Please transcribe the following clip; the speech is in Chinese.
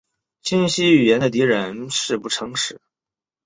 清晰语言的敌人是不诚实。